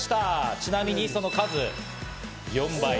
ちなみにその数４倍。